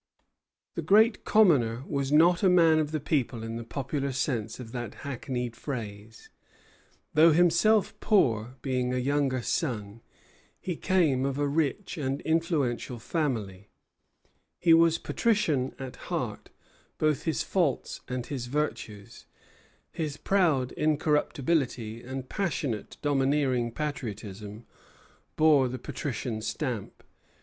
The Great Commoner was not a man of the people in the popular sense of that hackneyed phrase. Though himself poor, being a younger son, he came of a rich and influential family; he was patrician at heart; both his faults and his virtues, his proud incorruptibility and passionate, domineering patriotism, bore the patrician stamp.